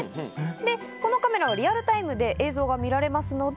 でこのカメラをリアルタイムで映像が見られますので。